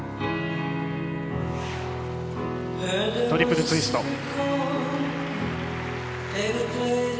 トリプルツイスト。